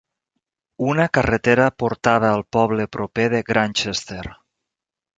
Una carretera portava al poble proper de Grantchester.